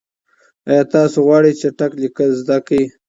آیا تاسو غواړئ چټک لیکل زده کړئ؟